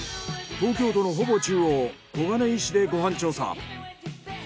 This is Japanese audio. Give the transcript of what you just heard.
東京都のほぼ中央小金井市でご飯調査。